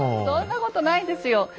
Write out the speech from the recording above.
そんなことないですよ。